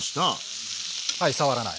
はい触らない。